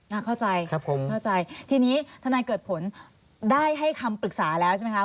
ณเข้าใจทีนี้ถนายเกิดผลก็ได้ให้คำปรึกษาแล้วใช่ไหมคะ